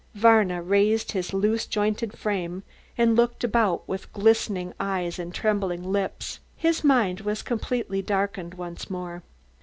Varna raised his loose jointed frame and looked about with glistening eyes and trembling lips. His mind was completely darkened once more.